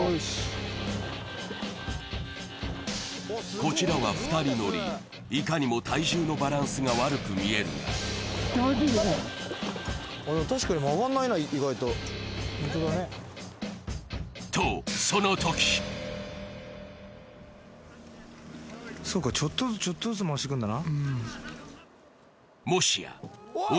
こちらは２人乗り、いかにも体重のバランスが悪く見えるがと、そのときそうか、ちょっとずつちょっとずつ回していくんだな。